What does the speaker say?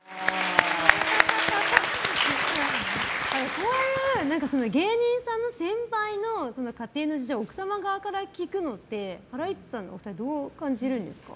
こういう芸人さんの先輩の家庭の事情奥様側から聞くのってハライチさんのお二人はどう感じますか？